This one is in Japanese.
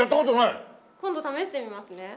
今度試してみますね。